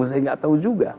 saya tidak tahu juga